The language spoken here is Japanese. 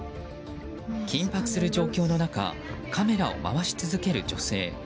緊迫する状況の中カメラを回し続ける女性。